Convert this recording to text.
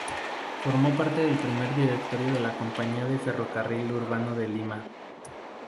Formó parte del primer directorio de la Compañía del Ferrocarril Urbano de Lima Ltda.